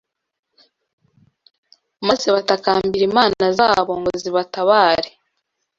maze batakambira imana zabo ngo zibatabare